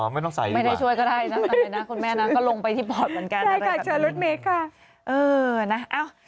อ๋อไม่ต้องใส่ดีกว่าใช่ค่ะชอบรถเม็ดค่ะเออนะเอ้า